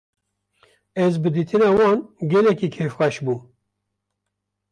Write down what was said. Ez bi dîtina wan gelekî kêfxweş bûm.